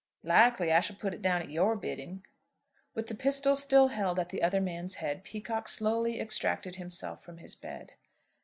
"Likely I shall put it down at your bidding." With the pistol still held at the other man's head, Peacocke slowly extracted himself from his bed.